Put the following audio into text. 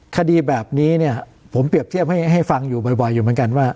คดีแบบนี้เนี่ยผมเปรียบเทียบให้ฟังอยู่บ่อยอยู่เหมือนกันว่า